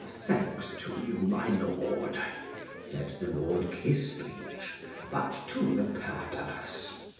Thanks to you, my lord, said the Lord Kissbreech; but to the purpose.